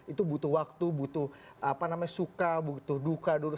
itu butuh waktu butuh suka butuh duka dulu